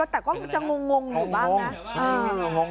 แต่ก็จะงงหรือบ้างนะ